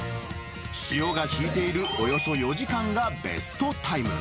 潮が引いているおよそ４時間がベストタイム。